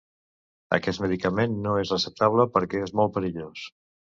Aquest medicament no és receptable, perquè és molt perillós.